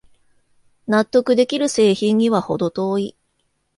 納得できる製品にはほど遠い